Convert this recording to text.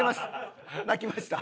「泣きました」